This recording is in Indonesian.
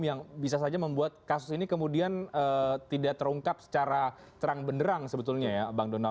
yang bisa saja membuat kasus ini kemudian tidak terungkap secara terang benderang sebetulnya ya bang donald